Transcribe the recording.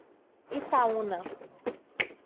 Itaúna